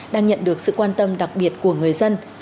đang nhận được sự quan tâm đặc biệt của người dân